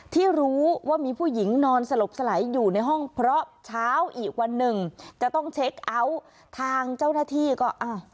ที่รู้ว่ามีผู้หญิงนอนสลบสลายอยู่ในห้องเพราะเช้าอีกวันหนึ่งจะต้องเช็คเอาท์ทางเจ้าหน้าที่ก็อ้าว